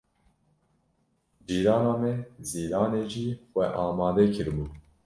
Cîrana me Zîlanê jî xwe amade kiribû.